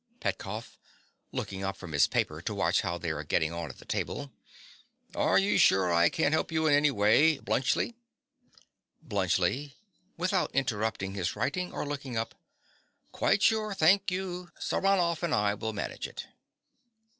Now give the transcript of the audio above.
PETKOFF. (looking up from his paper to watch how they are getting on at the table). Are you sure I can't help you in any way, Bluntschli? BLUNTSCHLI. (without interrupting his writing or looking up). Quite sure, thank you. Saranoff and I will manage it.